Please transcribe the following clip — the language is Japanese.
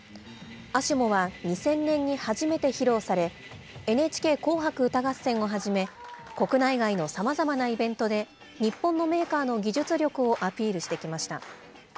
アシモは２０００年に初めて披露され、ＮＨＫ紅白歌合戦をはじめ、国内外のさまざまなイベントで日本のメーカーの技術力をアピールしてきました。